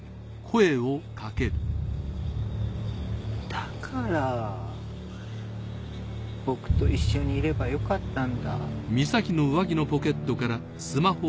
だから僕と一緒にいればよかったんだ。